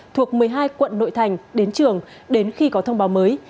thuộc một mươi hai quận nội thành đến trường đến khi có thông báo mới